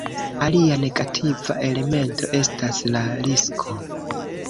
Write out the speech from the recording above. Alia negativa elemento estas la risko.